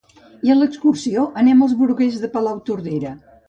i a l'excursió anem als Bruguers de Palautordera